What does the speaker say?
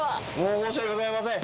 申し訳ございません。